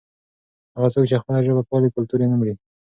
هغه څوک چې خپله ژبه پالي کلتور یې نه مري.